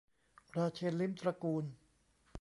ราเชนทร์ ลิ้มตระกูล